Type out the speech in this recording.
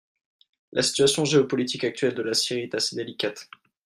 La situation géopolitique actuelle de la Syrie est assez délicate.